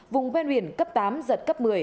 vùng bên biển cấp tám giật cấp một mươi